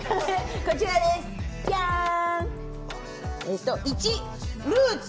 こちらです、じゃん！